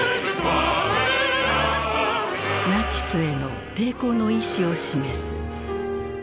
ナチスへの抵抗の意思を示す。